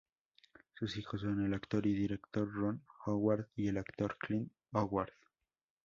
Sus hijos son el actor y director Ron Howard y el actor Clint Howard.